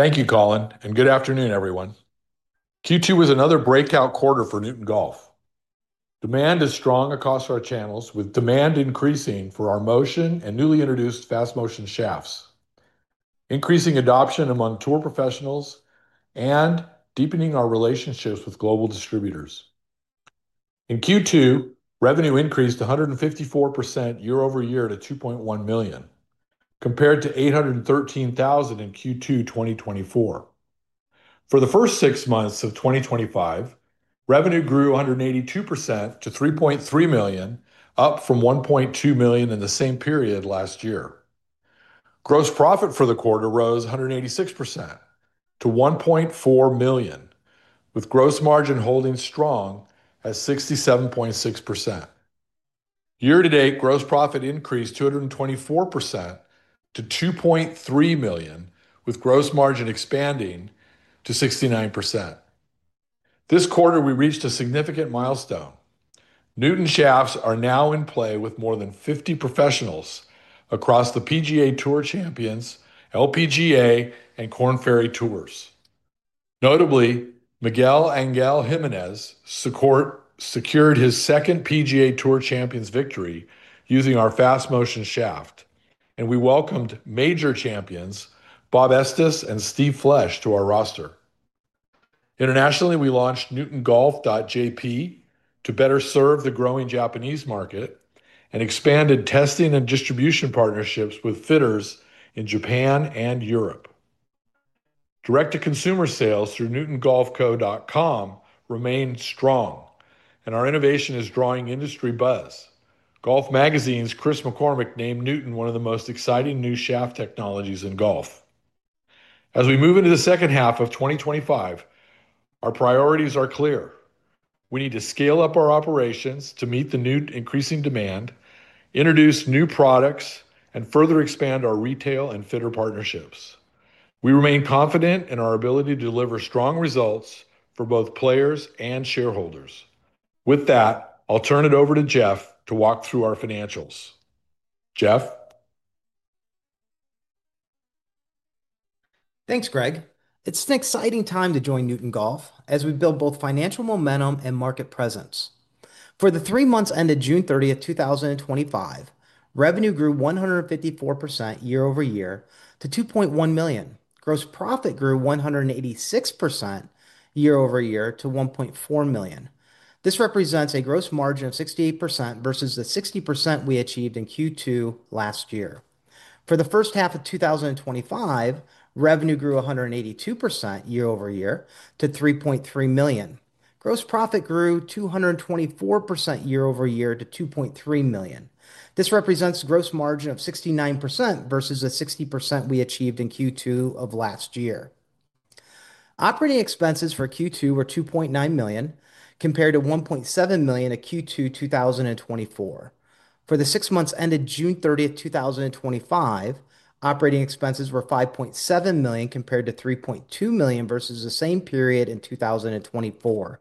Thank you, Colin, and good afternoon, everyone. Q2 is another breakout quarter for Newton Golf. Demand is strong across our channels, with demand increasing for our Motion and newly introduced Fast Motion shafts, increasing adoption among tour professionals, and deepening our relationships with global distributors. In Q2, revenue increased 154% year-over-year to $2.1 million, compared to $813,000 in Q2 2024. For the first six months of 2025, revenue grew 182% to $3.3 million, up from $1.2 million in the same period last year. Gross profit for the quarter rose 186% to $1.4 million, with gross margin holding strong at 67.6%. Year-to-date gross profit increased 224% to $2.3 million, with gross margin expanding to 69%. This quarter, we reached a significant milestone. Newton shafts are now in play with more than 50 professionals across the PGA Tour Champions, LPGA, and Korn Ferry Tour. Notably, Miguel Ángel Jiménez secured his second PGA Tour Champions victory using our Fast Motion shaft, and we welcomed major champions Bob Estes and Steve Flesch to our roster. Internationally, we launched newtongolf.jp to better serve the growing Japanese market and expanded testing and distribution partnerships with fitters in Japan and Europe. Direct-to-consumer sales through newtongolfco.com remain strong, and our innovation is drawing industry buzz. Golf Magazine’s Chris McCormick named Newton one of the most exciting new shaft technologies in golf. As we move into the second half of 2025, our priorities are clear. We need to scale up our operations to meet the new increasing demand, introduce new products, and further expand our retail and fitter partnerships. We remain confident in our ability to deliver strong results for both players and shareholders. With that, I'll turn it over to Jeff to walk through our financials. Jeff? Thanks, Greg. It's an exciting time to join Newton Golf as we build both financial momentum and market presence. For the three months ended June 30th, 2025, revenue grew 154% year-over-year to $2.1 million. Gross profit grew 186% year-over-year to $1.4 million. This represents a gross margin of 68% versus the 60% we achieved in Q2 last year. For the first half of 2025, revenue grew 182% year-over-year to $3.3 million. Gross profit grew 224% year-over-year to $2.3 million. This represents a gross margin of 69% versus the 60% we achieved in Q2 of last year. Operating expenses for Q2 were $2.9 million, compared to $1.7 million in Q2 2024. For the six months ended June 30th, 2025, operating expenses were $5.7 million, compared to $3.2 million versus the same period in 2024.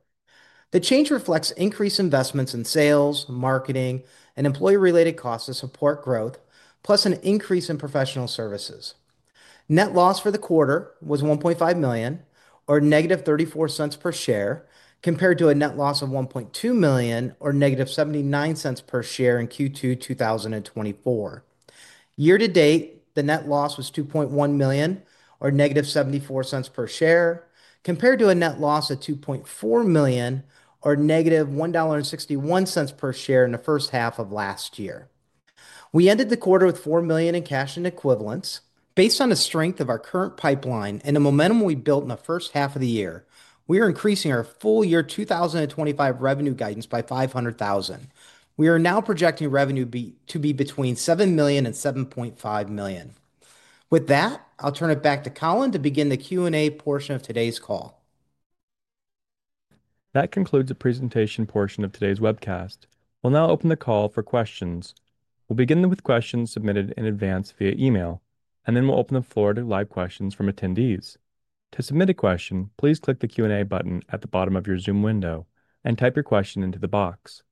The change reflects increased investments in sales, marketing, and employee-related costs to support growth, plus an increase in professional services. Net loss for the quarter was $1.5 million, or -$0.34 per share, compared to a net loss of $1.2 million, or -$0.79 per share in Q2 2024. Year-to-date, the net loss was $2.1 million, or -$0.74 per share, compared to a net loss of $2.4 million, or -$1.61 per share in the first half of last year. We ended the quarter with $4 million in cash and equivalents. Based on the strength of our current pipeline and the momentum we built in the first half of the year, we are increasing our full year 2025 revenue guidance by $500,000. We are now projecting revenue to be between $7 million and $7.5 million. With that, I'll turn it back to Colin to begin the Q&A portion of today's call. That concludes the presentation portion of today's webcast. We'll now open the call for questions. We'll begin with questions submitted in advance via email, and then we'll open the floor to live questions from attendees. To submit a question, please click the Q&A button at the bottom of your Zoom window and type your question into the box.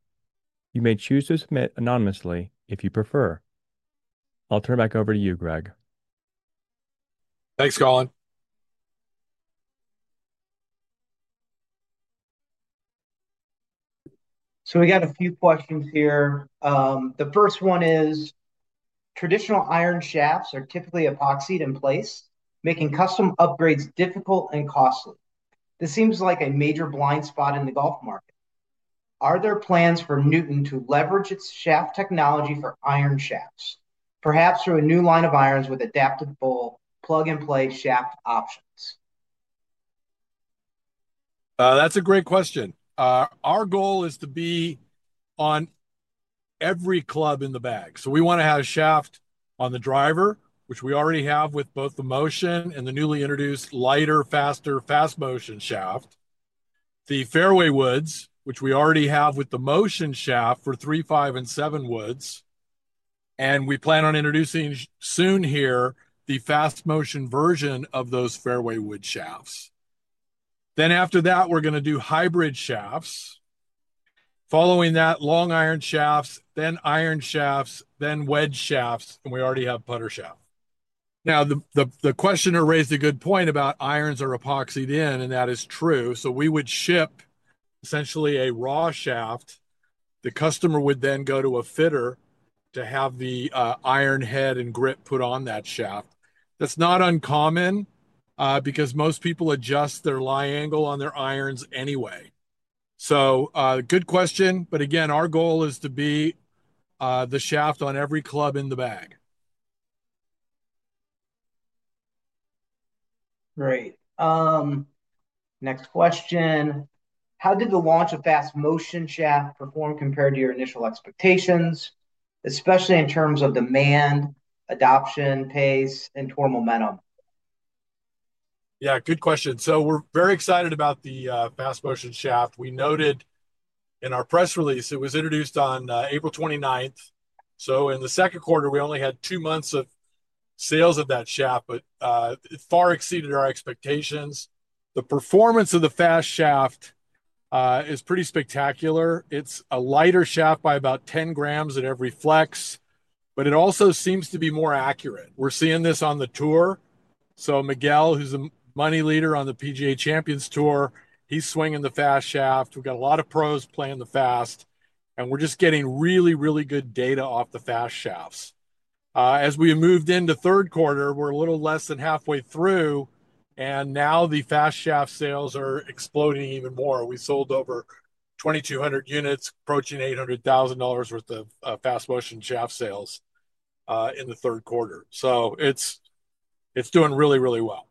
You may choose to submit anonymously if you prefer. I'll turn it back over to you, Greg. Thanks, Colin. We got a few questions here. The first one is, traditional iron shafts are typically epoxied in place, making custom upgrades difficult and costly. This seems like a major blind spot in the golf market. Are there plans for Newton to leverage its shaft technology for iron shafts, perhaps through a new line of irons with adaptive bowl plug-and-play shaft options? That's a great question. Our goal is to be on every club in the bag. We want to have a shaft on the driver, which we already have with both the Motion and the newly introduced lighter, faster Fast Motion shaft, the fairway woods, which we already have with the Motion shaft for three, five, and seven woods. We plan on introducing soon here the Fast Motion version of those fairway wood shafts. After that, we are going to do hybrid shafts. Following that, long iron shafts, then iron shafts, then wedge shafts, and we already have putter shafts. The questioner raised a good point about irons are epoxied in, and that is true. We would ship essentially a raw shaft. The customer would then go to a fitter to have the iron head and grip put on that shaft. That's not uncommon because most people adjust their lie angle on their irons anyway. Good question, but again, our goal is to be the shaft on every club in the bag. Great. Next question. How did the launch of Fast Motion shaft perform compared to your initial expectations, especially in terms of demand, adoption, pace, and tour momentum? Yeah, good question. We're very excited about the Fast Motion shaft. We noted in our press release it was introduced on April 29th. In the second quarter, we only had two months of sales of that shaft, but it far exceeded our expectations. The performance of the fast shaft is pretty spectacular. It's a lighter shaft by about 10 grams in every flex, but it also seems to be more accurate. We're seeing this on the tour. Miguel, who's the money leader on the PGA Champions Tour, is swinging the fast shaft. We've got a lot of pros playing the fast, and we're just getting really, really good data off the fast shafts. As we moved into the third quarter, we're a little less than halfway through, and now the fast shaft sales are exploding even more. We sold over 2,200 units, approaching $800,000 worth of Fast Motion shaft sales in the third quarter. It's doing really, really well.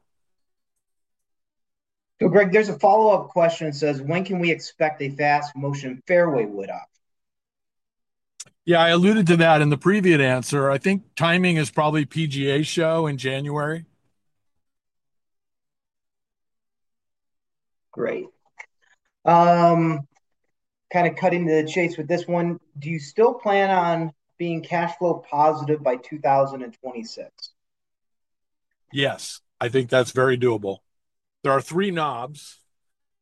Greg, there's a follow-up question that says, when can we expect a fast motion fairway wood op? Yeah, I alluded to that in the previous answer. I think timing is probably PGA Show in January. Great. Kind of cutting to the chase with this one, do you still plan on being cash flow positive by 2026? Yes, I think that's very doable. There are three knobs.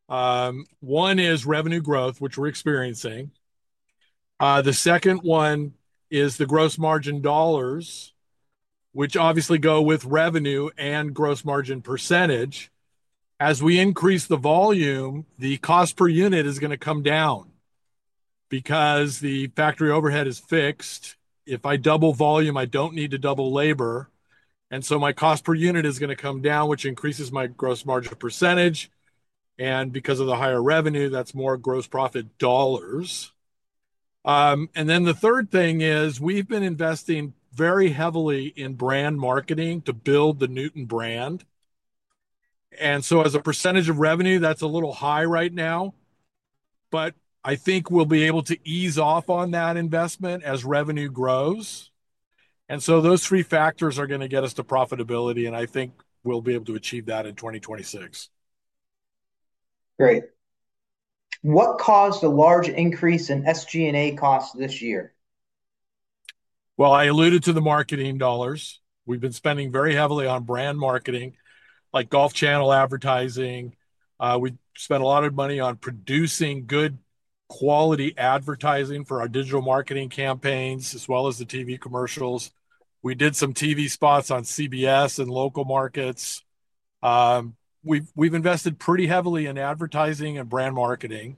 One is revenue growth, which we're experiencing. The second one is the gross margin dollars, which obviously go with revenue and gross margin percentage. As we increase the volume, the cost per unit is going to come down because the factory overhead is fixed. If I double volume, I don't need to double labor, and so my cost per unit is going to come down, which increases my gross margin %. Because of the higher revenue, that's more gross profit dollars. The third thing is we've been investing very heavily in brand marketing to build the Newton brand. As a percentage of revenue, that's a little high right now, but I think we'll be able to ease off on that investment as revenue grows. Those three factors are going to get us to profitability, and I think we'll be able to achieve that in 2026. Great. What caused a large increase in SG&A costs this year? I alluded to the marketing dollars. We've been spending very heavily on brand marketing, like Golf Channel advertising. We spent a lot of money on producing good quality advertising for our digital marketing campaigns, as well as the TV commercials. We did some TV spots on CBS and local markets. We've invested pretty heavily in advertising and brand marketing.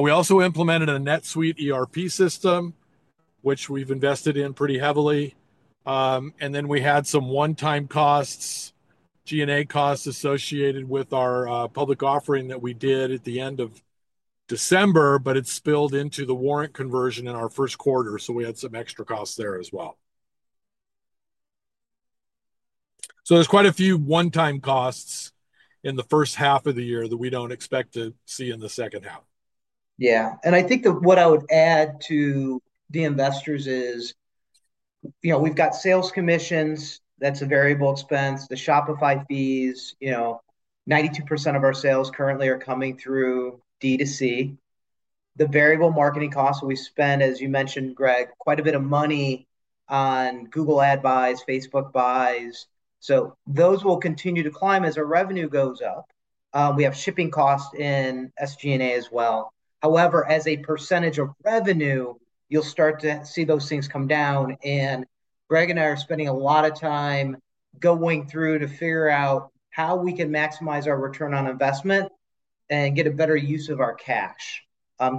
We also implemented a NetSuite ERP system, which we've invested in pretty heavily. We had some one-time costs, G&A costs associated with our public offering that we did at the end of December, but it spilled into the warrant conversion in our first quarter. We had some extra costs there as well. There are quite a few one-time costs in the first half of the year that we don't expect to see in the second half. Yeah, and I think what I would add to the investors is, you know, we've got sales commissions. That's a variable expense. The Shopify fees, you know, 92% of our sales currently are coming through D2C. The variable marketing costs, we spend, as you mentioned, Greg, quite a bit of money on Google Ad Buys, Facebook Buys. Those will continue to climb as our revenue goes up. We have shipping costs in SG&A as well. However, as a percentage of revenue, you'll start to see those things come down. Greg and I are spending a lot of time going through to figure out how we can maximize our return on investment and get a better use of our cash.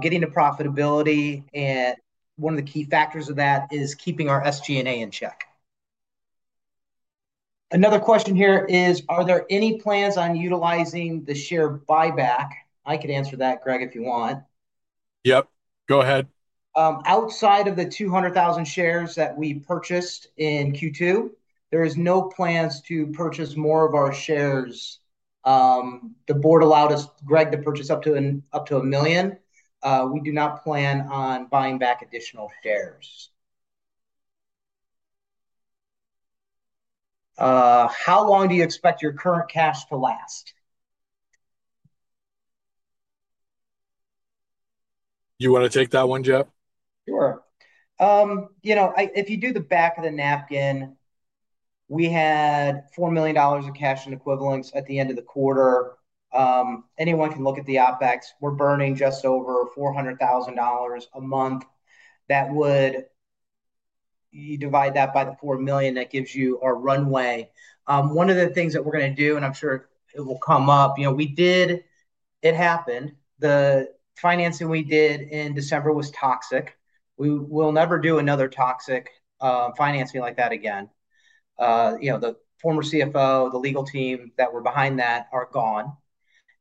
Getting to profitability, and one of the key factors of that is keeping our SG&A in check. Another question here is, are there any plans on utilizing the share buyback? I could answer that, Greg, if you want. Yep, go ahead. Outside of the 200,000 shares that we purchased in Q2, there are no plans to purchase more of our shares. The board allowed us, Greg, to purchase up to 1 million. We do not plan on buying back additional shares. How long do you expect your current cash to last? You want to take that one, Jeff? Sure. You know, if you do the back of the napkin, we had $4 million in cash and equivalents at the end of the quarter. Anyone can look at the OpEx. We're burning just over $400,000 a month. You divide that by the $4 million, that gives you our runway. One of the things that we're going to do, and I'm sure it will come up, we did, it happened. The financing we did in December was toxic. We will never do another toxic financing like that again. The former CFO, the legal team that were behind that are gone.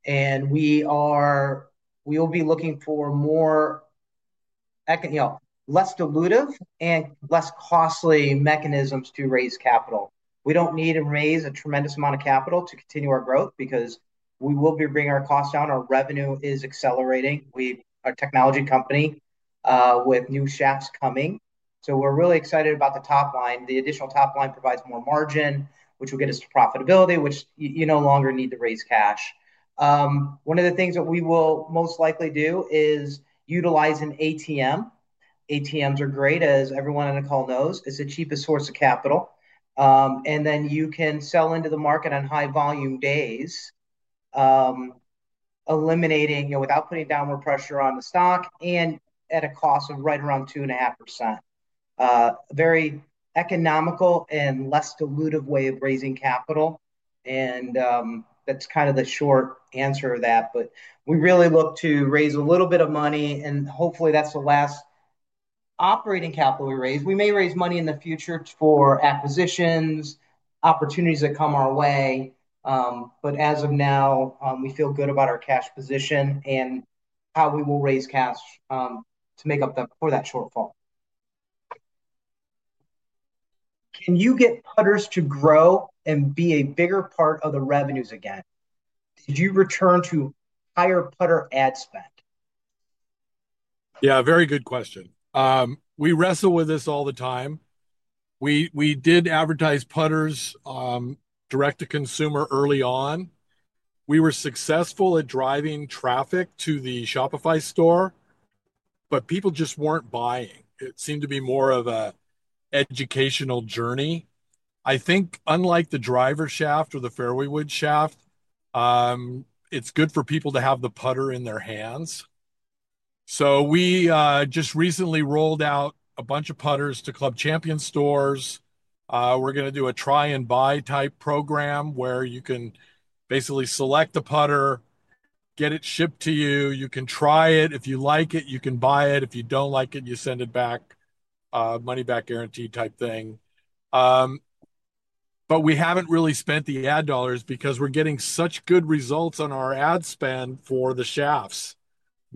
We are, we'll be looking for more, you know, less dilutive and less costly mechanisms to raise capital. We don't need to raise a tremendous amount of capital to continue our growth because we will be bringing our costs down. Our revenue is accelerating. We are a technology company with new shafts coming. We're really excited about the top line. The additional top line provides more margin, which will get us to profitability, which you no longer need to raise cash. One of the things that we will most likely do is utilize an ATM. ATMs are great, as everyone on the call knows. It's the cheapest source of capital. You can sell into the market on high volume days, eliminating, you know, without putting downward pressure on the stock and at a cost of right around 2.5%. Very economical and less dilutive way of raising capital. That's kind of the short answer to that. We really look to raise a little bit of money, and hopefully that's the last operating capital we raise. We may raise money in the future for acquisitions, opportunities that come our way. As of now, we feel good about our cash position and how we will raise cash to make up for that shortfall. Can you get putters to grow and be a bigger part of the revenues again? Did you return to higher putter ad spend? Yeah, very good question. We wrestle with this all the time. We did advertise putters direct to consumer early on. We were successful at driving traffic to the Shopify store, but people just weren't buying. It seemed to be more of an educational journey. I think, unlike the driver shaft or the fairway wood shaft, it's good for people to have the putter in their hands. We just recently rolled out a bunch of putters to Club Champion stores. We're going to do a try and buy type program where you can basically select the putter, get it shipped to you. You can try it. If you like it, you can buy it. If you don't like it, you send it back, money-back guarantee type thing. We haven't really spent the ad dollars because we're getting such good results on our ad spend for the shafts.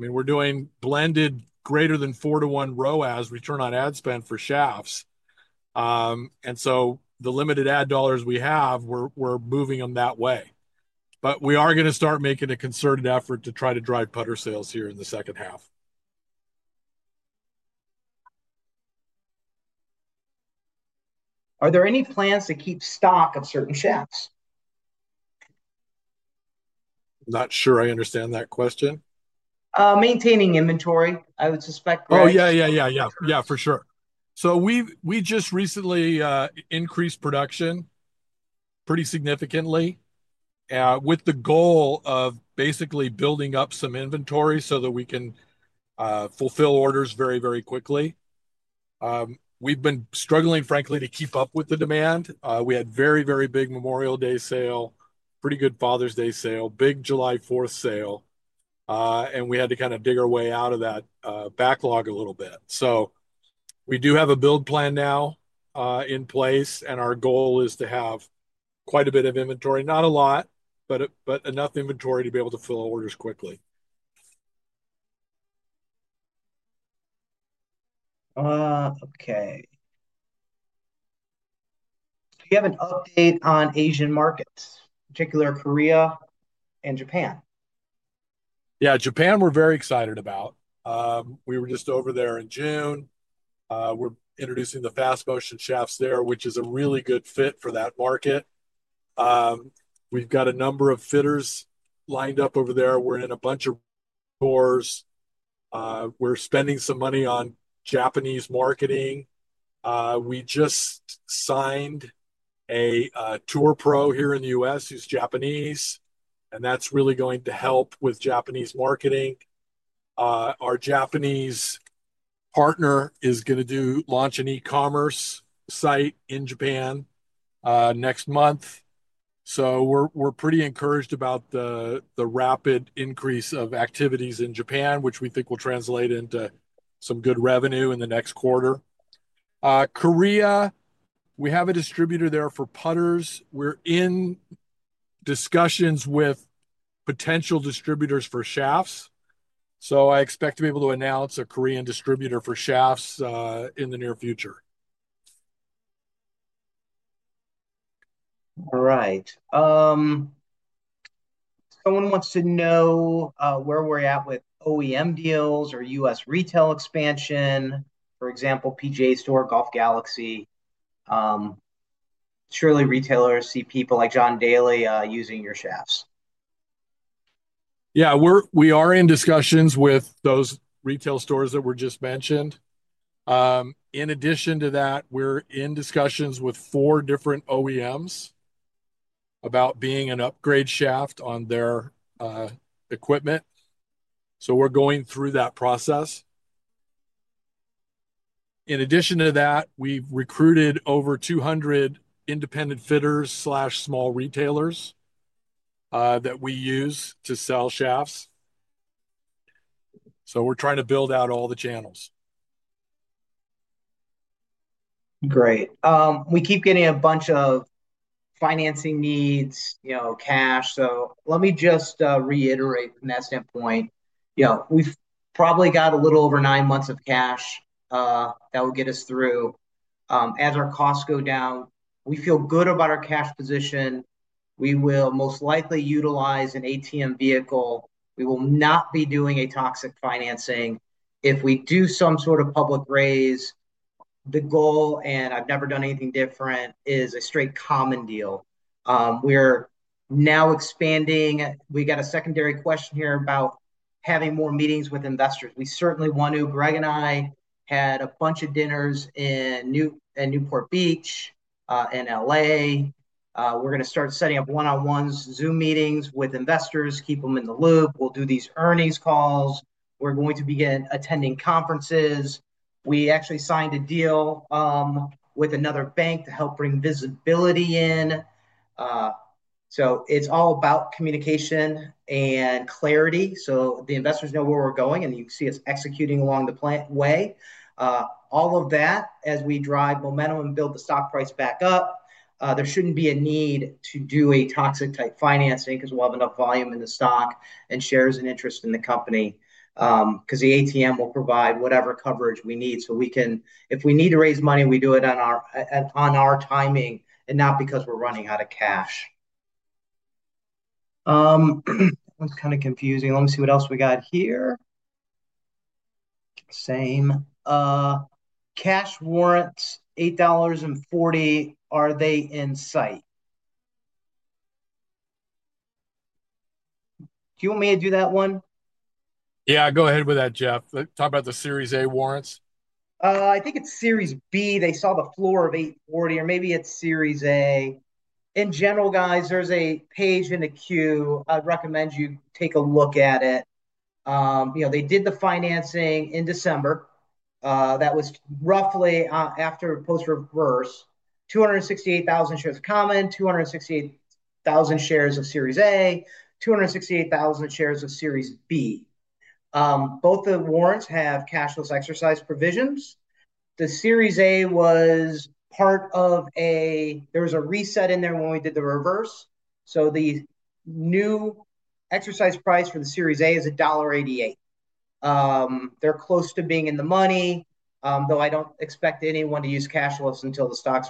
I mean, we're doing blended greater than four-to-one ROAS, return on ad spend, for shafts. The limited ad dollars we have, we're moving them that way. We are going to start making a concerted effort to try to drive putter sales here in the second half. Are there any plans to keep stock of certain shafts? I'm not sure I understand that question. Maintaining inventory, I would suspect. Yeah, for sure. We just recently increased production pretty significantly with the goal of basically building up some inventory so that we can fulfill orders very, very quickly. We've been struggling, frankly, to keep up with the demand. We had a very, very big Memorial Day sale, pretty good Father's Day sale, big July 4th sale, and we had to kind of dig our way out of that backlog a little bit. We do have a build plan now in place, and our goal is to have quite a bit of inventory, not a lot, but enough inventory to be able to fill orders quickly. Okay. Do you have an update on Asian markets, particularly Korea and Japan? Yeah, Japan we're very excited about. We were just over there in June. We're introducing the Fast Motion shafts there, which is a really good fit for that market. We've got a number of fitters lined up over there. We're in a bunch of tours. We're spending some money on Japanese marketing. We just signed a tour pro here in the U.S. who's Japanese, and that's really going to help with Japanese marketing. Our Japanese partner is going to launch an e-commerce site in Japan next month. We're pretty encouraged about the rapid increase of activities in Japan, which we think will translate into some good revenue in the next quarter. Korea, we have a distributor there for putters. We're in discussions with potential distributors for shafts. I expect to be able to announce a Korean distributor for shafts in the near future. All right. Someone wants to know where we're at with OEM deals or U.S. retail expansion. For example, PGA Store, Golf Galaxy. Surely retailers see people like John Daly using your shafts. Yeah, we are in discussions with those retail stores that were just mentioned. In addition to that, we're in discussions with four different OEMs about being an upgrade shaft on their equipment. We're going through that process. In addition to that, we've recruited over 200 independent fitters/small retailers that we use to sell shafts. We're trying to build out all the channels. Great. We keep getting a bunch of financing needs, you know, cash. Let me just reiterate from that standpoint. We've probably got a little over nine months of cash that will get us through. As our costs go down, we feel good about our cash position. We will most likely utilize an ATM vehicle. We will not be doing a toxic financing. If we do some sort of public raise, the goal, and I've never done anything different, is a straight common deal. We're now expanding. We got a secondary question here about having more meetings with investors. We certainly want to. Greg and I had a bunch of dinners in Newport Beach, in L.A. We're going to start setting up one-on-ones, Zoom meetings with investors, keep them in the loop. We'll do these earnings calls. We're going to begin attending conferences. We actually signed a deal with another bank to help bring visibility in. It's all about communication and clarity so the investors know where we're going and you can see us executing along the planned way. All of that, as we drive momentum and build the stock price back up, there shouldn't be a need to do a toxic type financing because we'll have enough volume in the stock and shares and interest in the company because the ATM will provide whatever coverage we need. If we need to raise money, we do it on our timing and not because we're running out of cash. That's kind of confusing. Let me see what else we got here. Same. Cash warrants, $8.40. Are they in sight? Do you want me to do that one? Yeah, go ahead with that, Jeff. Talk about the Series A warrants. I think it's Series B. They saw the floor of $8.40, or maybe it's Series A. In general, guys, there's a page in the queue. I'd recommend you take a look at it. They did the financing in December. That was roughly after post-reverse. 268,000 shares of common, 268,000 shares of Series A, 268,000 shares of Series B. Both the warrants have cashless exercise provisions. The Series A was part of a, there was a reset in there when we did the reverse. The new exercise price for the Series A is $1.88. They're close to being in the money, though I don't expect anyone to use cashless until the stock's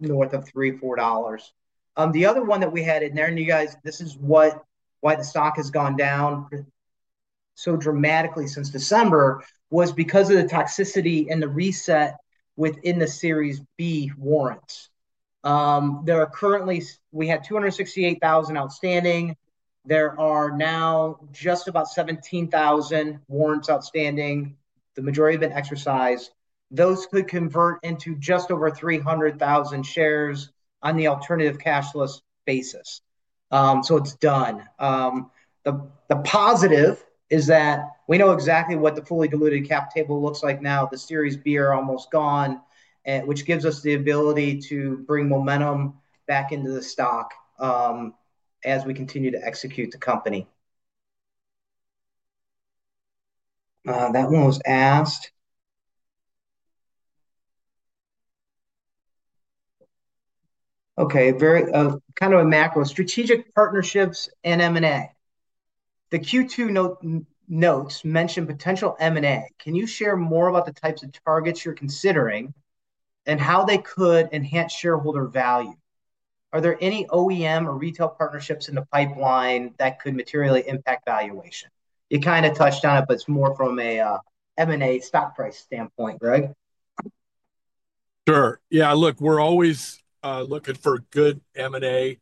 north of $3 or $4. The other one that we had in there, and you guys, this is why the stock has gone down so dramatically since December, was because of the toxicity and the reset within the Series B warrants. There are currently, we had 268,000 outstanding. There are now just about 17,000 warrants outstanding. The majority have been exercised. Those could convert into just over 300,000 shares on the alternative cashless basis. It's done. The positive is that we know exactly what the fully diluted cap table looks like now. The Series B are almost gone, which gives us the ability to bring momentum back into the stock as we continue to execute the company. That one was asked. Very kind of a macro. Strategic partnerships and M&A. The Q2 notes mention potential M&A. Can you share more about the types of targets you're considering and how they could enhance shareholder value? Are there any OEM or retail partnerships in the pipeline that could materially impact valuation? You kind of touched on it, but it's more from an M&A stock price standpoint, Greg. Sure. Yeah, look, we're always looking for good M&A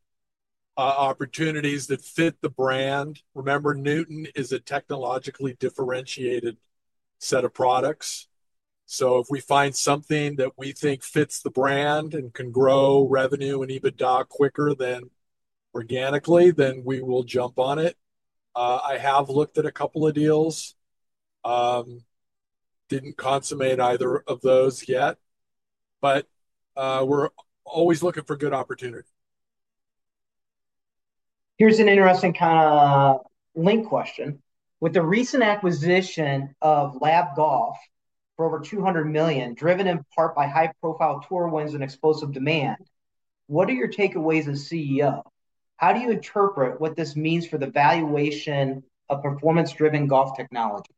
opportunities that fit the brand. Remember, Newton is a technologically differentiated set of products. If we find something that we think fits the brand and can grow revenue and EBITDA quicker than organically, then we will jump on it. I have looked at a couple of deals. Didn't consummate either of those yet. We're always looking for good opportunities. Here's an interesting kind of link question. With the recent acquisition of Lab Golf for over $200 million, driven in part by high-profile tour wins and explosive demand, what are your takeaways as CEO? How do you interpret what this means for the valuation of performance-driven golf technology?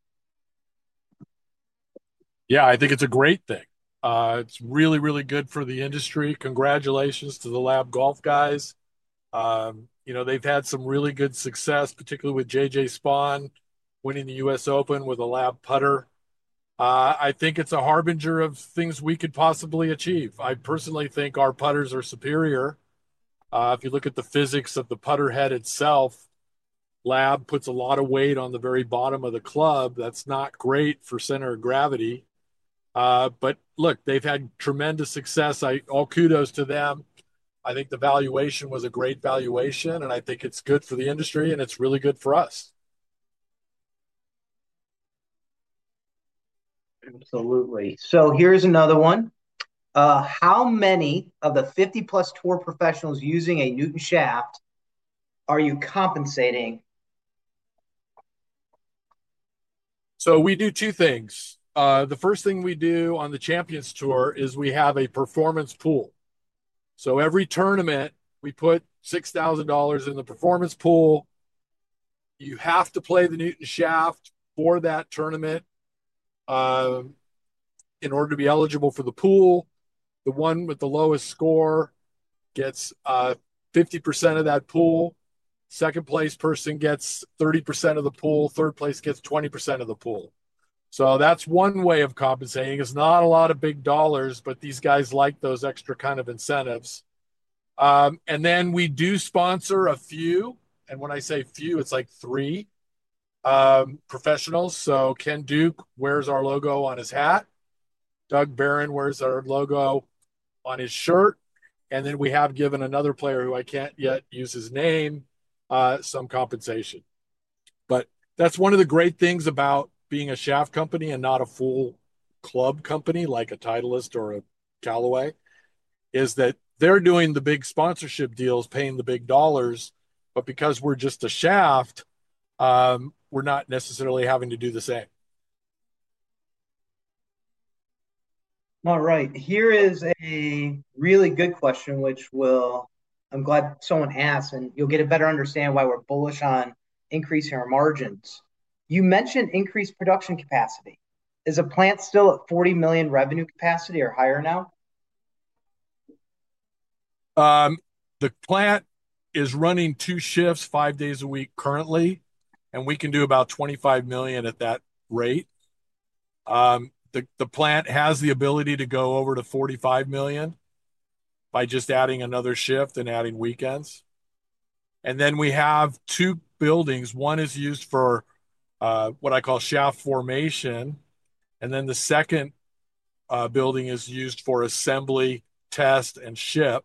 Yeah, I think it's a great thing. It's really, really good for the industry. Congratulations to the L.A.B. Golf guys. You know, they've had some really good success, particularly with J.J. Spaun winning the U.S. Open with a L.A.B. putter. I think it's a harbinger of things we could possibly achieve. I personally think our putters are superior. If you look at the physics of the putter head itself, L.A.B. puts a lot of weight on the very bottom of the club. That's not great for center of gravity. Look, they've had tremendous success. All kudos to them. I think the valuation was a great valuation, and I think it's good for the industry, and it's really good for us. Absolutely. Here's another one. How many of the 50-plus tour professionals using a Newton shaft are you compensating? We do two things. The first thing we do on the Champions Tour is we have a performance pool. Every tournament, we put $6,000 in the performance pool. You have to play the Newton shaft for that tournament in order to be eligible for the pool. The one with the lowest score gets 50% of that pool. Second place gets 30% of the pool. Third place gets 20% of the pool. That's one way of compensating. It's not a lot of big dollars, but these guys like those extra kind of incentives. We do sponsor a few, and when I say few, it's like three professionals. Ken Duke wears our logo on his hat. Doug Barron wears our logo on his shirt. We have given another player, who I can't yet use his name, some compensation. That's one of the great things about being a shaft company and not a full club company like Titleist or Callaway. They're doing the big sponsorship deals, paying the big dollars, but because we're just a shaft, we're not necessarily having to do the same. All right. Here is a really good question, which I'm glad someone asked, and you'll get a better understanding of why we're bullish on increasing our margins. You mentioned increased production capacity. Is the plant still at $40 million revenue capacity or higher now? The plant is running two shifts five days a week currently, and we can do about $25 million at that rate. The plant has the ability to go over to $45 million by just adding another shift and adding weekends. We have two buildings. One is used for what I call shaft formation, and the second building is used for assembly, test, and ship.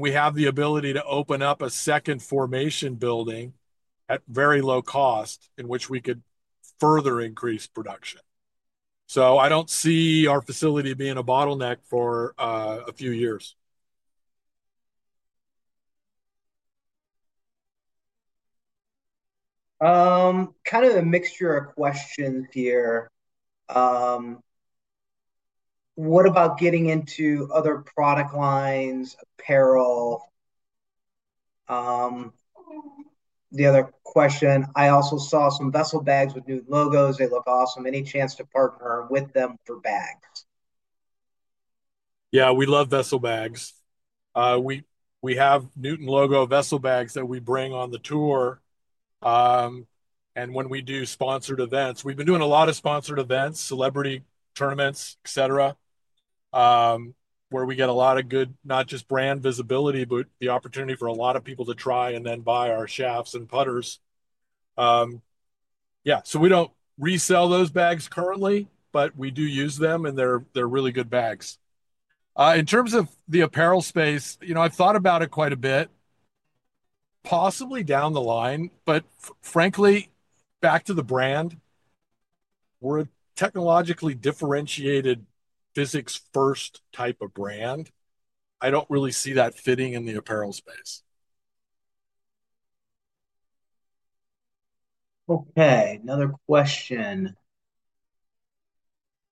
We have the ability to open up a second formation building at very low cost in which we could further increase production. I don't see our facility being a bottleneck for a few years. Kind of a mixture of questions here. What about getting into other product lines, apparel? The other question, I also saw some VESSEL bags with new logos. They look awesome. Any chance to partner with them for bags? Yeah, we love VESSEL bags. We have Newton logo VESSEL bags that we bring on the tour. When we do sponsored events, we've been doing a lot of sponsored events, celebrity tournaments, etc., where we get a lot of good, not just brand visibility, but the opportunity for a lot of people to try and then buy our shafts and putters. We don't resell those bags currently, but we do use them, and they're really good bags. In terms of the apparel space, you know, I've thought about it quite a bit, possibly down the line, but frankly, back to the brand, we're a technologically differentiated physics-first type of brand. I don't really see that fitting in the apparel space. Okay, another question.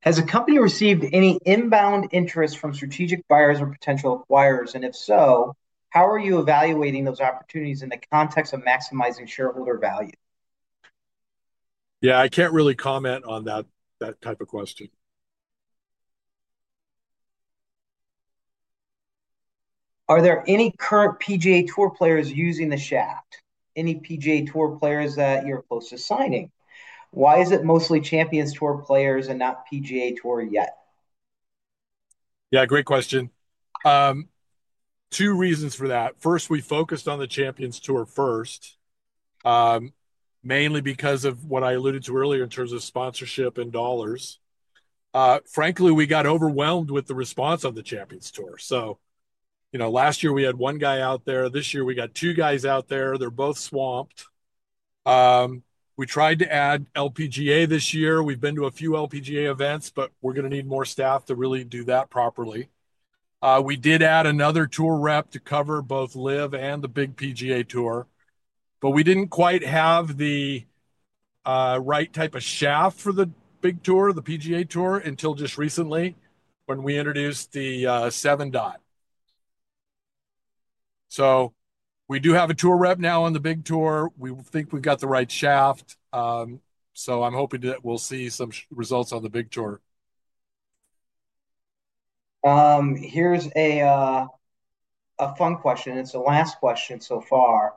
Has the company received any inbound interest from strategic buyers or potential acquirers? If so, how are you evaluating those opportunities in the context of maximizing shareholder value? Yeah, I can't really comment on that type of question. Are there any current PGA Tour players using the shaft? Any PGA Tour players that you're close to signing? Why is it mostly Champions Tour players and not PGA Tour yet? Yeah, great question. Two reasons for that. First, we focused on the Champions Tour first, mainly because of what I alluded to earlier in terms of sponsorship and dollars. Frankly, we got overwhelmed with the response on the Champions Tour. Last year we had one guy out there. This year we got two guys out there. They're both swamped. We tried to add LPGA this year. We've been to a few LPGA events, but we're going to need more staff to really do that properly. We did add another tour rep to cover both LIV and the big PGA Tour, but we didn't quite have the right type of shaft for the big tour, the PGA Tour, until just recently when we introduced the 7-dot. We do have a tour rep now on the big tour. We think we've got the right shaft. I'm hoping that we'll see some results on the big tour. Here's a fun question. It's the last question so far.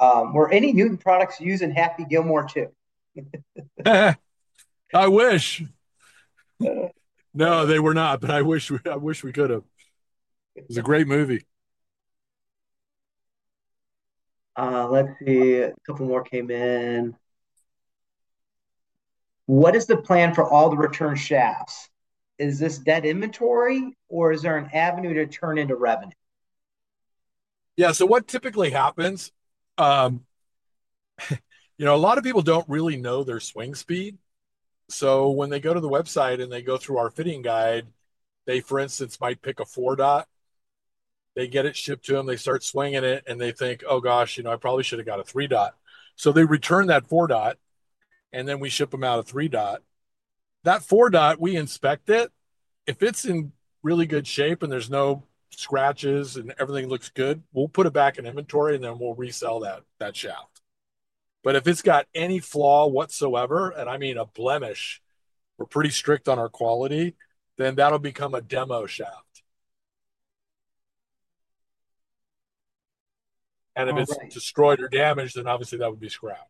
Were any Newton products used in Happy Gilmore 2? I wish. No, they were not, but I wish we could have. It was a great movie. Let's see. A couple more came in. What is the plan for all the return shafts? Is this dead inventory, or is there an avenue to turn into revenue? Yeah, so what typically happens, a lot of people don't really know their swing speed. When they go to the website and go through our fitting guide, they, for instance, might pick a 4-dot. They get it shipped to them, they start swinging it, and they think, "Oh gosh, you know, I probably should have got a 3-dot." They return that 4-dot, and then we ship them out a 3-dot. That 4-dot, we inspect it. If it's in really good shape and there's no scratches and everything looks good, we'll put it back in inventory, and then we'll resell that shaft. If it's got any flaw whatsoever, and I mean a blemish, we're pretty strict on our quality, then that'll become a demo shaft. If it's destroyed or damaged, then obviously that would be scrap.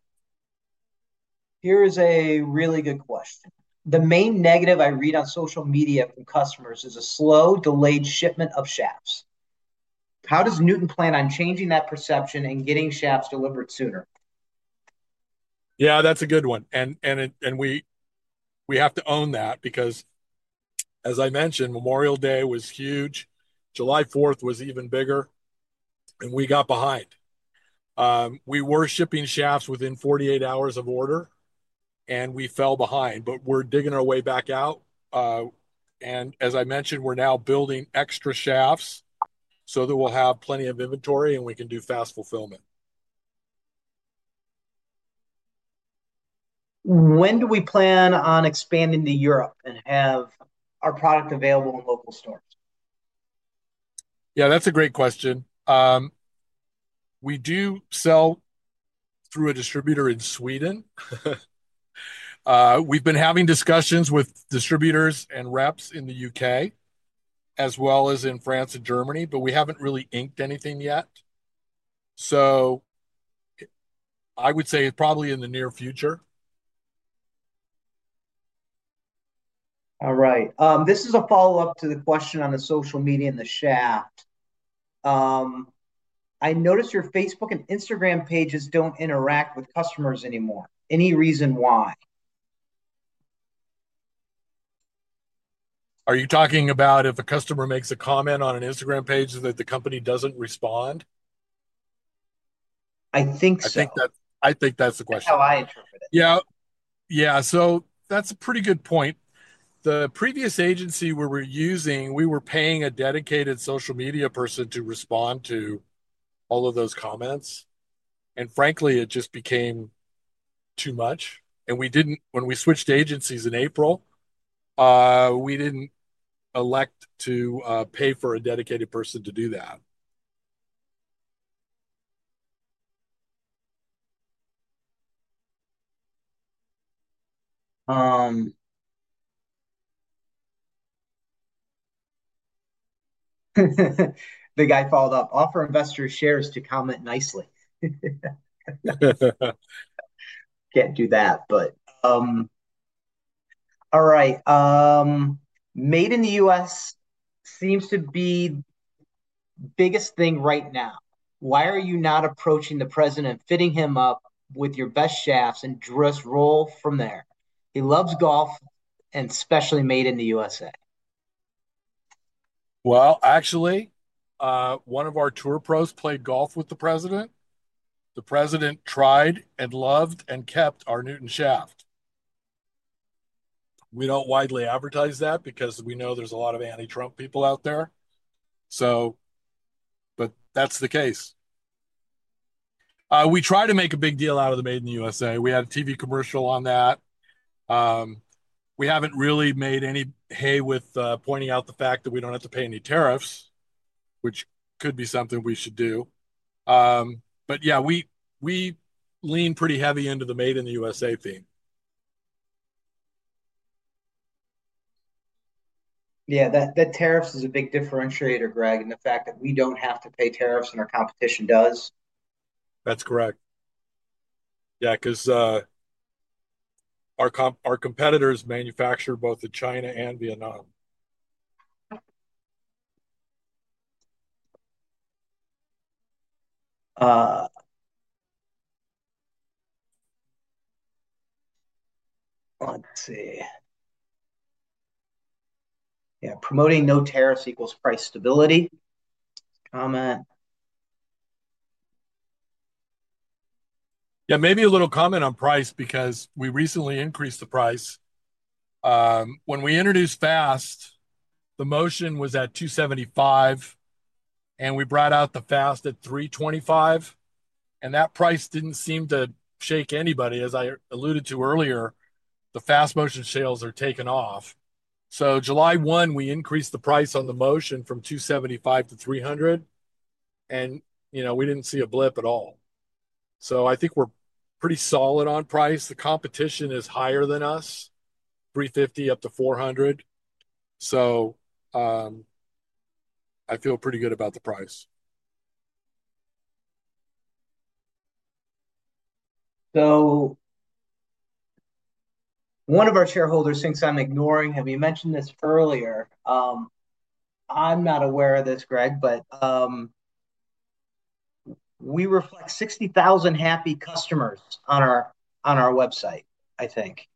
Here is a really good question. The main negative I read on social media from customers is a slow, delayed shipment of shafts. How does Newton plan on changing that perception and getting shafts delivered sooner? Yeah, that's a good one. We have to own that because, as I mentioned, Memorial Day was huge. July 4th was even bigger, and we got behind. We were shipping shafts within 48 hours of order, and we fell behind, but we're digging our way back out. As I mentioned, we're now building extra shafts so that we'll have plenty of inventory and we can do fast fulfillment. When do we plan on expanding to Europe and have our product available in local stores? Yeah, that's a great question. We do sell through a distributor in Sweden. We've been having discussions with distributors and reps in the U.K., as well as in France and Germany, but we haven't really inked anything yet. I would say probably in the near future. All right. This is a follow-up to the question on the social media and the shaft. I noticed your Facebook and Instagram pages don't interact with customers anymore. Any reason why? Are you talking about if a customer makes a comment on an Instagram page that the company doesn't respond? I think so. I think that's the question. Oh, I interrupted. Yeah, that's a pretty good point. The previous agency we were using, we were paying a dedicated social media person to respond to all of those comments. Frankly, it just became too much. When we switched agencies in April, we didn't elect to pay for a dedicated person to do that. The guy followed up, "Offer investor shares to comment nicely." Can't do that, but all right. Made in the U.S. seems to be the biggest thing right now. Why are you not approaching the President, fitting him up with your best shafts, and just roll from there? He loves golf and especially Made in the U.S.A. Actually, one of our tour pros played golf with the President. The President tried and loved and kept our Newton shaft. We don't widely advertise that because we know there's a lot of anti-Trump people out there. That's the case. We try to make a big deal out of the Made in the USA. We had a TV commercial on that. We haven't really made any hay with pointing out the fact that we don't have to pay any tariffs, which could be something we should do. Yeah, we lean pretty heavy into the Made in the USA theme. Yeah, that tariff is a big differentiator, Greg, and the fact that we don't have to pay tariffs and our competition does. That's correct. Yeah, because our competitors manufacture both in China and Vietnam. Let's see. Yeah, promoting no tariffs equals price stability. Comment. Yeah, maybe a little comment on price because we recently increased the price. When we introduced Fast, the Motion was at $275, and we brought out the Fast at $325. That price didn't seem to shake anybody. As I alluded to earlier, the Fast Motion sales are taking off. July 1, we increased the price on the Motion from $275 to $300. You know, we didn't see a blip at all. I think we're pretty solid on price. The competition is higher than us, $350 up to $400. I feel pretty good about the price. One of our shareholders thinks I'm ignoring. Have you mentioned this earlier? I'm not aware of this, Greg, but we reflect 60,000 happy customers on our website, I think.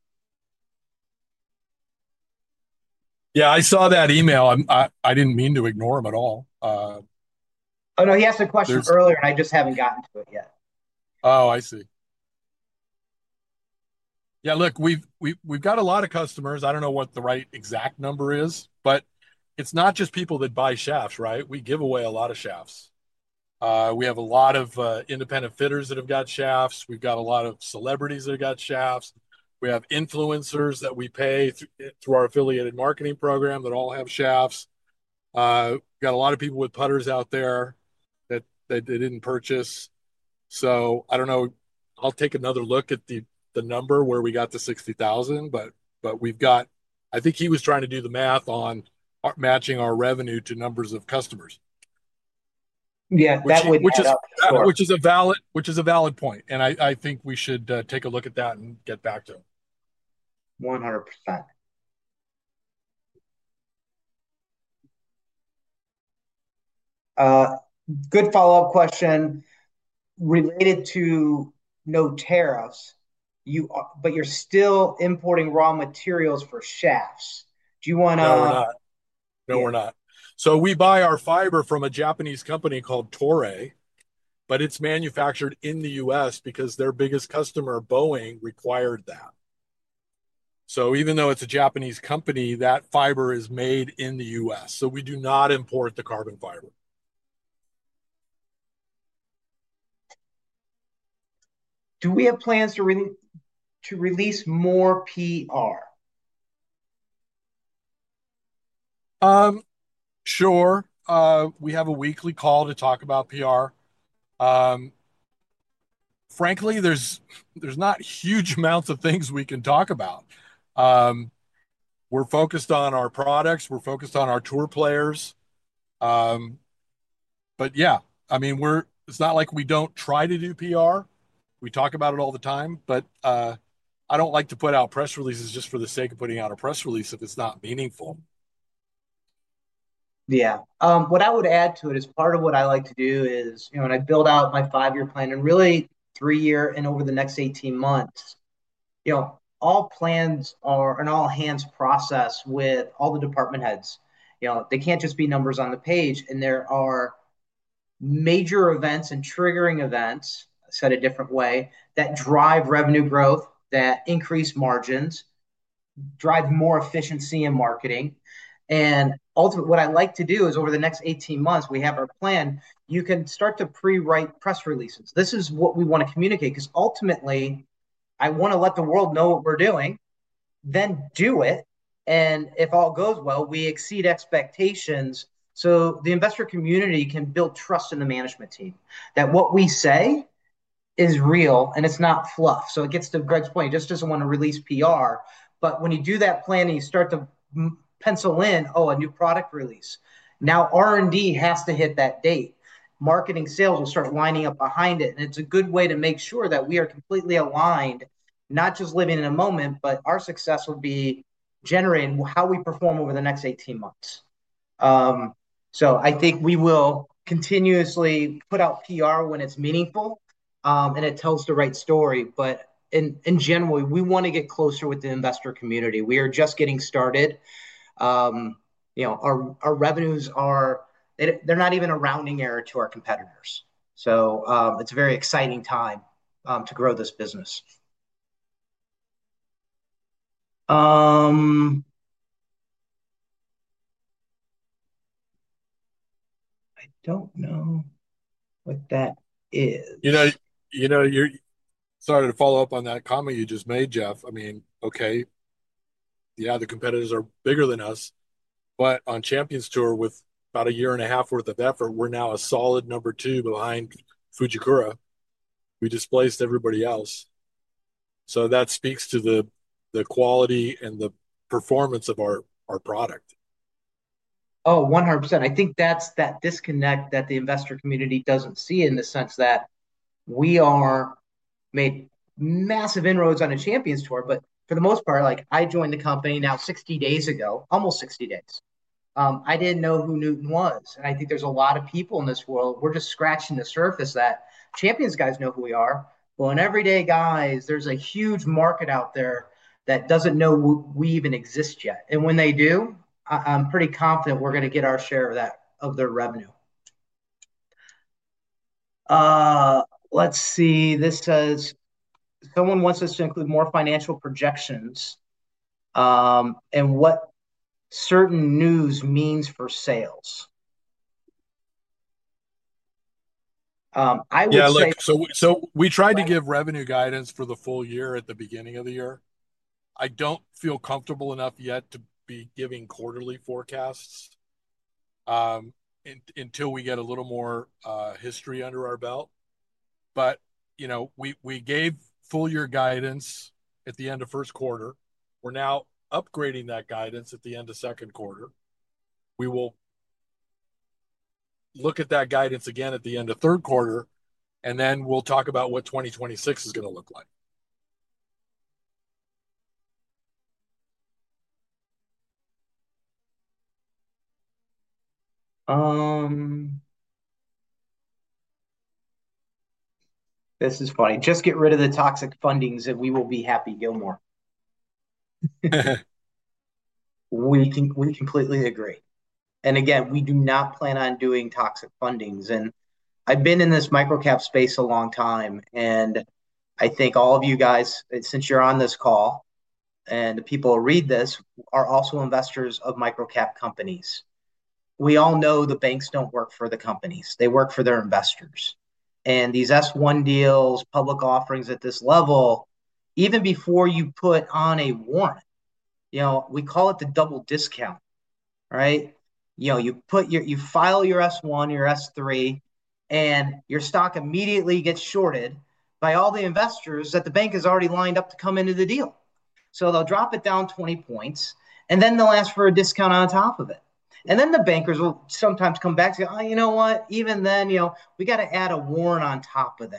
Yeah, I saw that email. I didn't mean to ignore him at all. Oh, no, he asked a question earlier. I just haven't gotten to it yet. I see. Yeah, look, we've got a lot of customers. I don't know what the right exact number is, but it's not just people that buy shafts, right? We give away a lot of shafts. We have a lot of independent fitters that have got shafts. We've got a lot of celebrities that have got shafts. We have influencers that we pay through our affiliated marketing program that all have shafts. We've got a lot of people with putters out there that they didn't purchase. I don't know. I'll take another look at the number where we got the 60,000, but we've got, I think he was trying to do the math on matching our revenue to numbers of customers. Yeah, that would be a valid point. That is a valid point. I think we should take a look at that and get back to him. 100%. Good follow-up question. Related to no tariffs, but you're still importing raw materials for shafts. Do you want to? No, we're not. We buy our fiber from a Japanese company called Toray, but it's manufactured in the U.S. because their biggest customer, Boeing, required that. Even though it's a Japanese company, that fiber is made in the U.S. We do not import the carbon fiber. Do we have plans to release more PR? Sure. We have a weekly call to talk about PR. Frankly, there's not huge amounts of things we can talk about. We're focused on our products. We're focused on our tour players. Yeah, I mean, it's not like we don't try to do PR. We talk about it all the time. I don't like to put out press releases just for the sake of putting out a press release if it's not meaningful. Yeah. What I would add to it is part of what I like to do is, you know, when I build out my five-year plan and really three-year and over the next 18 months, all plans are an all-hands process with all the department heads. They can't just be numbers on the page, and there are major events and triggering events, said a different way, that drive revenue growth, that increase margins, drive more efficiency in marketing. Ultimately, what I like to do is over the next 18 months, we have our plan. You can start to pre-write press releases. This is what we want to communicate because ultimately, I want to let the world know what we're doing, then do it. If all goes well, we exceed expectations so the investor community can build trust in the management team that what we say is real and it's not fluff. It gets to Greg's point. He just doesn't want to release PR, but when you do that planning, you start to pencil in, oh, a new product release. Now R&D has to hit that date. Marketing sales will start lining up behind it, and it's a good way to make sure that we are completely aligned, not just living in the moment, but our success will be generating how we perform over the next 18 months. I think we will continuously put out PR when it's meaningful, and it tells the right story. In general, we want to get closer with the investor community. We are just getting started. Our revenues are, they're not even a rounding error to our competitors. It's a very exciting time to grow this business. I don't know what that is. Sorry to follow up on that comment you just made, Jeff. I mean, okay, yeah, the competitors are bigger than us, but on Champions Tour, with about a year and a half worth of effort, we're now a solid number two behind Fujikura. We displaced everybody else. That speaks to the quality and the performance of our product. Oh, 100%. I think that's that disconnect that the investor community doesn't see in the sense that we have made massive inroads on a Champions Tour but for the most part, like I joined the company now 60 days ago, almost 60 days. I didn't know who Newton was, and I think there's a lot of people in this world. We're just scratching the surface that Champions guys know who we are. In everyday guys, there's a huge market out there that doesn't know we even exist yet. When they do, I'm pretty confident we're going to get our share of their revenue. Let's see. This says, "Someone wants us to include more financial projections and what certain news means for sales. Yeah, so we tried to give revenue guidance for the full year at the beginning of the year. I don't feel comfortable enough yet to be giving quarterly forecasts until we get a little more history under our belt. You know, we gave full-year guidance at the end of first quarter. We're now upgrading that guidance at the end of second quarter. We will look at that guidance again at the end of third quarter, and then we'll talk about what 2026 is going to look like. This is funny. Just get rid of the toxic fundings, and we will be Happy Gilmore. We completely agree. Again, we do not plan on doing toxic fundings. I've been in this micro-cap space a long time, and I think all of you guys, since you're on this call and the people who read this, are also investors of micro-cap companies. We all know the banks don't work for the companies. They work for their investors. These S-1 deals, public offerings at this level, even before you put on a warrant, we call it the double discount, right? You file your S-1 or your S-3, and your stock immediately gets shorted by all the investors that the bank has already lined up to come into the deal. They'll drop it down 20 points, and then they'll ask for a discount on top of it. The bankers will sometimes come back and say, "Oh, you know what? Even then, we got to add a warrant on top of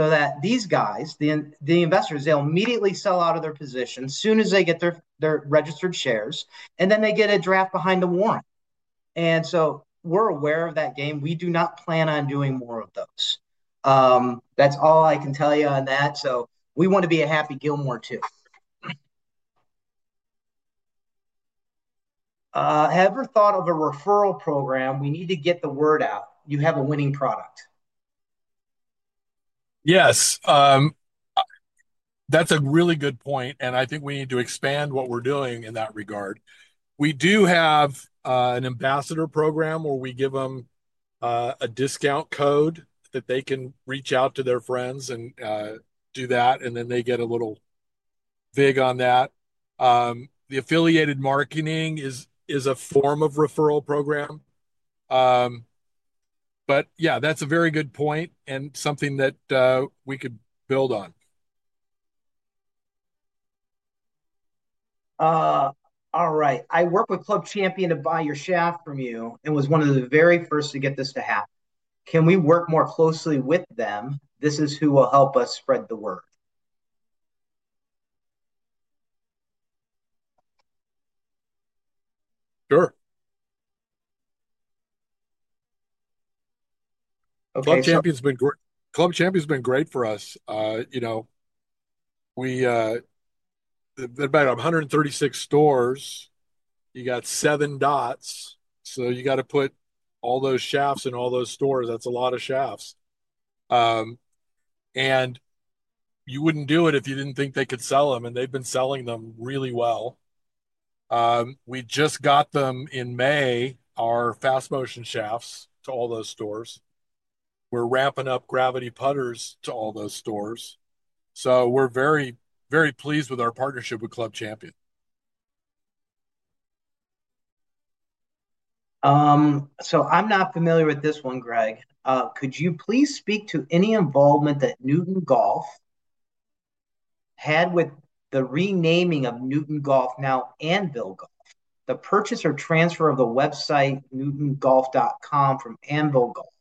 that." These guys, the investors, they'll immediately sell out of their position as soon as they get their registered shares, and then they get a draft behind the warrant. We're aware of that game. We do not plan on doing more of those. That's all I can tell you on that. We want to be a Happy Gilmore too. Ever thought of a referral program? We need to get the word out. You have a winning product. Yes. That's a really good point, and I think we need to expand what we're doing in that regard. We do have an ambassador program where we give them a discount code that they can reach out to their friends and do that, and then they get a little bit on that. The affiliate marketing is a form of referral program. Yeah, that's a very good point and something that we could build on. All right. I work with Club Champion to buy your shaft from you and was one of the very first to get this to happen. Can we work more closely with them? This is who will help us spread the word. Sure. Club Champion's been great for us. You know, we've been about 136 stores. You got 7-dots, so you got to put all those shafts in all those stores. That's a lot of shafts. You wouldn't do it if you didn't think they could sell them, and they've been selling them really well. We just got them in May, our Fast Motion shafts to all those stores. We're ramping up Gravity putters to all those stores. We are very, very pleased with our partnership with Club Champion. I'm not familiar with this one, Greg. Could you please speak to any involvement that Newton Golf had with the renaming of Newton Golf, now Anvil Golf, the purchase or transfer of the website newtongolf.com from Anvil Golf,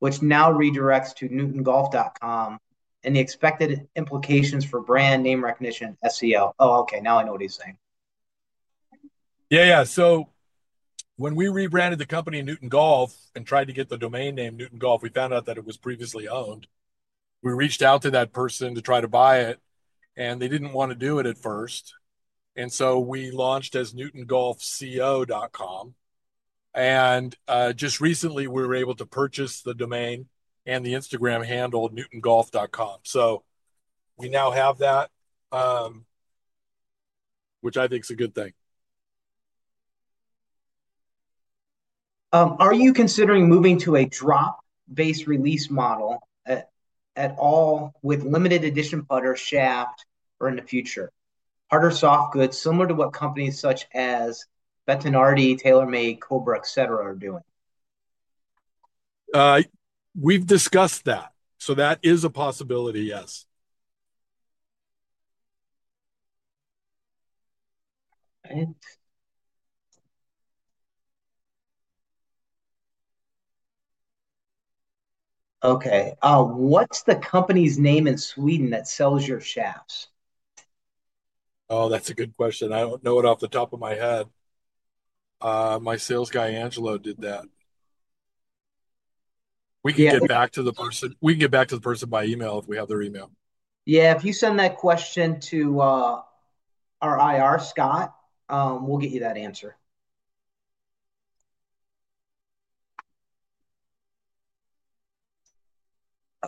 which now redirects to newtongolf.com, and the expected implications for brand name recognition and SEO? Oh, okay. Now I know what he's saying. Yeah, yeah. When we rebranded the company Newton Golf and tried to get the domain name Newton Golf, we found out that it was previously owned. We reached out to that person to try to buy it, and they didn't want to do it at first. We launched as newtongolfco.com. Just recently, we were able to purchase the domain and the Instagram handle newtongolf.com. We now have that, which I think is a good thing. Are you considering moving to a drop-based release model at all with limited edition putter shaft or in the future? Hard or soft goods, similar to what companies such as Bettinardi, TaylorMade, Cobra, etc. are doing. We've discussed that, so that is a possibility, yes. Okay. What's the company's name in Sweden that sells your shafts? Oh, that's a good question. I don't know it off the top of my head. My sales guy, Angelo, did that. We can get back to the person by email if we have their email. Yeah, if you send that question to our IR, Scott, we'll get you that answer.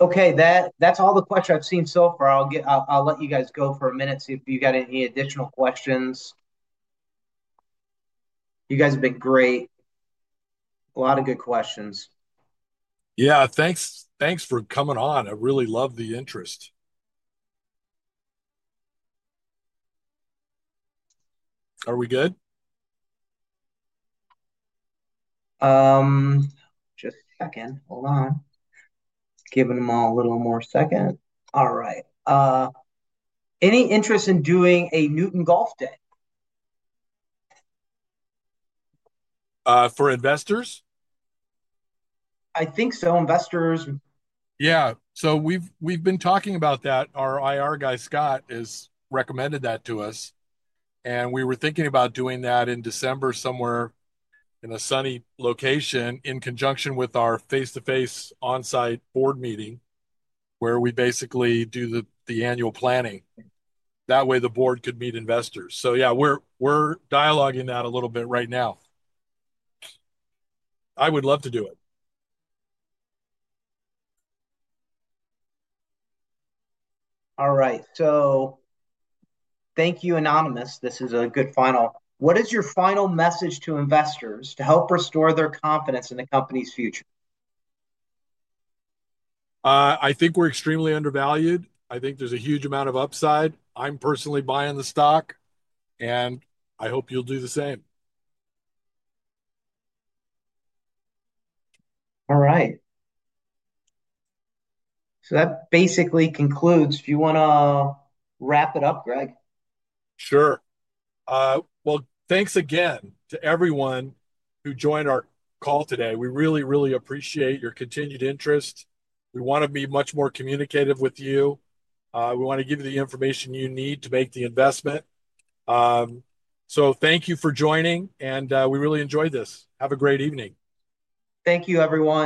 Okay, that's all the questions I've seen so far. I'll let you guys go for a minute to see if you've got any additional questions. You guys have been great. A lot of good questions. Yeah, thanks. Thanks for coming on. I really love the interest. Are we good? Just checking. Hold on. Giving them all a little more second. All right. Any interest in doing a Newton Golf Day? For investors? I think so, investors. Yeah, we've been talking about that. Our IR guy, Scott, has recommended that to us. We were thinking about doing that in December, somewhere in a sunny location, in conjunction with our face-to-face onsite board meeting, where we basically do the annual planning. That way, the board could meet investors. We're dialoguing that a little bit right now. I would love to do it. All right. Thank you, Anonymous. This is a good final. What is your final message to investors to help restore their confidence in the company's future? I think we're extremely undervalued. I think there's a huge amount of upside. I'm personally buying the stock, and I hope you'll do the same. All right. That basically concludes. Do you want to wrap it up, Greg? Thank you again to everyone who joined our call today. We really, really appreciate your continued interest. We want to be much more communicative with you. We want to give you the information you need to make the investment. Thank you for joining, and we really enjoyed this. Have a great evening. Thank you, everyone.